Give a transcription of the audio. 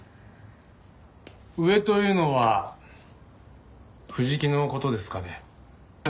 上というのは藤木の事ですかね？